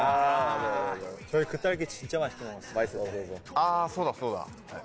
あそうだそうだ。